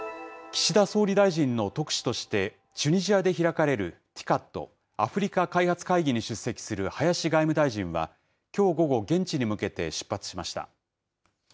岸田総理大臣の特使として、チュニジアで開かれるＴＩＣＡＤ・アフリカ開発会議に出席する林外務大臣はきょう午後、現地に向けて出発しました。